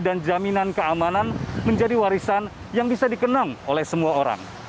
dan jaminan keamanan menjadi warisan yang bisa dikenang oleh semua orang